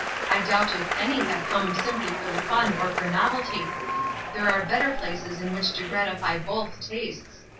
"I doubt if any have come simply for fun or for novelty. There are better places in which to gratify both tastes.